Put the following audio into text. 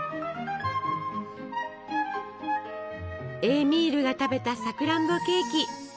エーミールが食べたさくらんぼケーキ。